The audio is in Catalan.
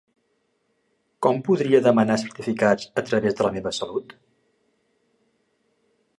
Com podria demanar certificats a través de La meva salut?